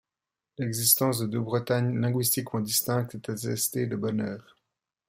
L'existence de deux Bretagnes linguistiquement distinctes est attestée de bonne heure.